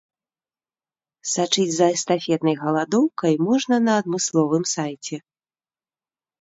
Сачыць за эстафетнай галадоўкай можна на адмысловым сайце